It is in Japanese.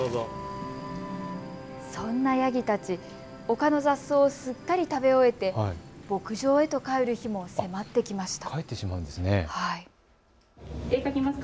丘の雑草をすっかり食べ終えて、牧場へと帰る日も迫ってきました。